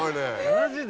マジで？